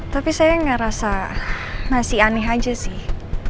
tapi saya ngerasa masih aneh aja sih